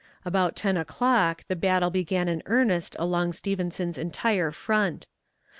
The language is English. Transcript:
About ten o'clock the battle began in earnest along Stevenson's entire front.